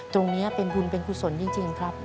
ตรงนี้เป็นบุญเป็นกุศลจริงครับ